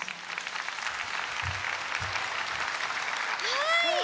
はい！